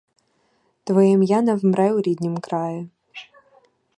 Твоє ім'я не вмре у ріднім краї.